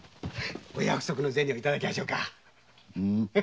お約束のゼニをいただきましょうか。